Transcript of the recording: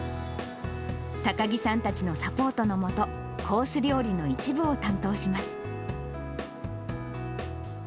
高木さんたちのサポートの下、コース料理の一部を担当します。